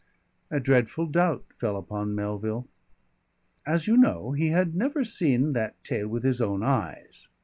A dreadful doubt fell upon Melville. As you know, he had never seen that tail with his own eyes.